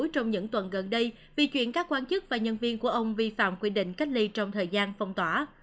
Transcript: trong những tuần gần đây vì chuyện các quan chức và nhân viên của ông vi phạm quy định cách ly trong thời gian phong tỏa